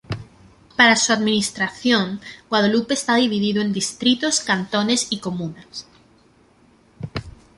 Para su administración, Guadalupe está dividido en distritos, cantones y comunas.